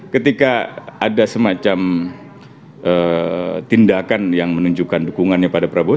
ketika ada semacam tindakan yang menunjukkan dukungannya pada prabowo